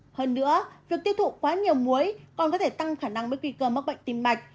hơn nữa việc tiêu thụ quá nhiều muối còn có thể tăng khả năng với nguy cơ mắc bệnh tim mạch